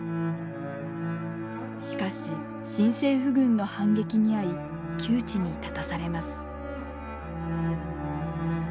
しかし新政府軍の反撃に遭い窮地に立たされます。